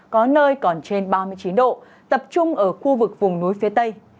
có nơi còn trên ba mươi chín độ tập trung ở khu vực vùng núi phía tây